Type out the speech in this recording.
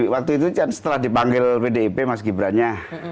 waktu itu kan setelah dipanggil pdip mas gibran nya